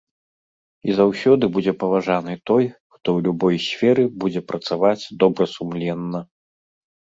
І заўсёды будзе паважаны той, хто ў любой сферы будзе працаваць добрасумленна.